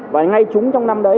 và ngay chúng trong năm đấy